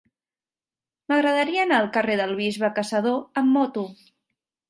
M'agradaria anar al carrer del Bisbe Caçador amb moto.